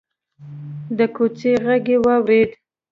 د کوچي غږ يې واورېد: